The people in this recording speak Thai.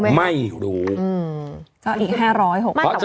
อีก๕๐๖บาท